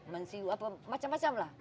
menciu apa macam macam lah